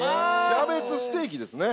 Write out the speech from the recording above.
キャベツステーキですね。